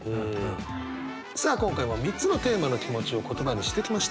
さあ今回は３つのテーマの気持ちを言葉にしてきました。